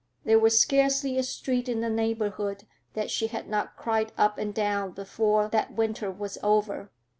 There was scarcely a street in the neighborhood that she had not cried up and down before that winter was over.